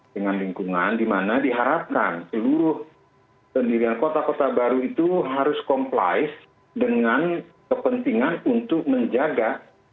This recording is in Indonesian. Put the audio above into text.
dengan lingkungan dimana diharapkan seluruh pendirian kota kota baru itu harus comply dengan kepentingan untuk menjaga